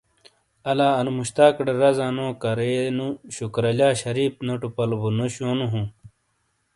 آلا انو مشتاقٹے رازا نو کرے نو شکور علیا شریف نوٹو پلو بو نشونو ہوں۔